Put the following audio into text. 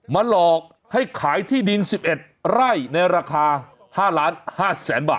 มาหลอกให้ขายที่ดิน๑๑ไร่ในราคา๕ล้าน๕แสนบาท